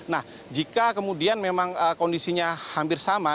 nah jika kemudian memang kondisinya hampir sama